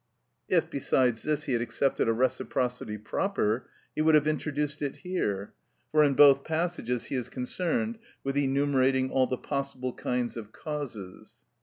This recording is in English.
_) If, besides this, he had accepted a reciprocity proper, he would have introduced it here, for in both passages he is concerned with enumerating all the possible kinds of causes.